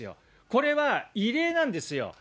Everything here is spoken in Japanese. これは異例なんですよ。